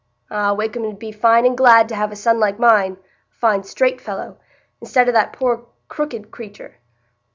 Ah! Wakem 'ud be fine and glad to have a son like mine,—a fine straight fellow,—i'stead o' that poor crooked creatur!